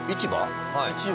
市場？